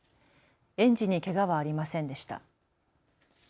園児にけがはありませんでした。